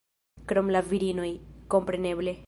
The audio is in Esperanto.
Krom la virinoj, kompreneble